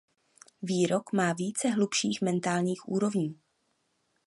Výrok má více hlubších mentálních úrovní.